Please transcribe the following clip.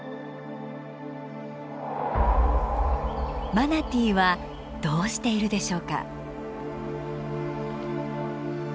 マナティーはどうしているでしょうか？